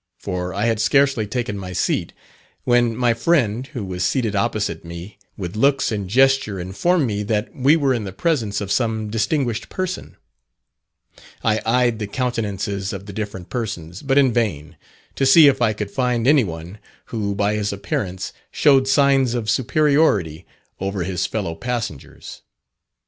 For I had scarcely taken my seat, when my friend, who was seated opposite me, with looks and gesture informed me that we were in the presence of some distinguished person. I eyed the countenances of the different persons, but in vain, to see if I could find any one who by his appearance showed signs of superiority over his fellow passengers.